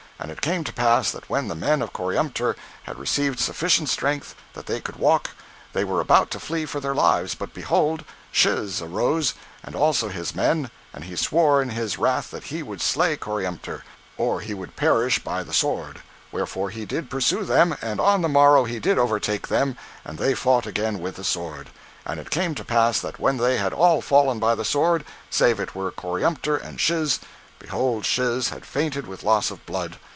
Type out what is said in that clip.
And it came to pass that when the men of Coriantumr had received sufficient strength, that they could walk, they were about to flee for their lives, but behold, Shiz arose, and also his men, and he swore in his wrath that he would slay Coriantumr, or he would perish by the sword: wherefore he did pursue them, and on the morrow he did overtake them; and they fought again with the sword. And it came to pass that when they had all fallen by the sword, save it were Coriantumr and Shiz, behold Shiz had fainted with loss of blood.